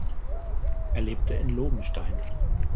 Er lebte in Lobenstein.